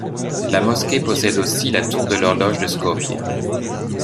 La mosquée possède aussi la tour de l'horloge de Skopje.